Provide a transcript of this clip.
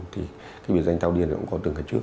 thì biệt danh thao điên cũng có từng cái trước